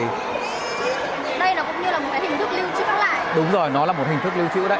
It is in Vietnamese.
đây nó cũng như là một cái hình thức lưu trữ khác lại